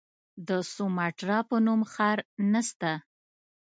د سوماټرا په نوم ښار نسته.